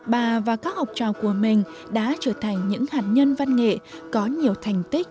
bà và các học trò của mình đã trở thành những hạt nhân văn nghệ có nhiều thành tích